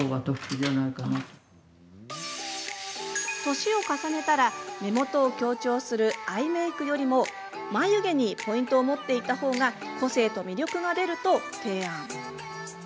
歳を重ねたら目元を強調するアイメイクよりも眉毛にポイントをもっていったほうがどうですか？